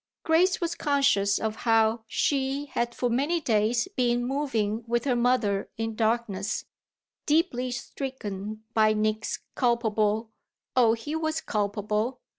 Grace was conscious of how she had for many days been moving with her mother in darkness, deeply stricken by Nick's culpable oh he was culpable!